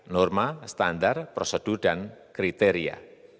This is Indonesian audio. norma standar prosedur dan kriteria